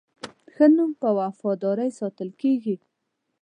ښه نوم په وفادارۍ ساتل کېږي.